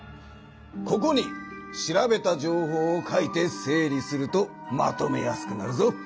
ここに調べた情報を書いて整理するとまとめやすくなるぞ。